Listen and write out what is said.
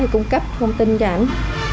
cung cấp thông tin cho anh